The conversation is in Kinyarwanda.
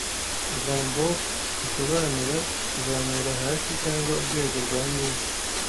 Ijamboc risobanura kuzamura hasi cyangwa urwego rwa mine